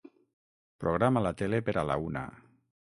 Programa la tele per a la una.